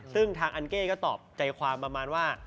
ซึ่งทางอันเก้ก็ตอบใจความประมาณว่า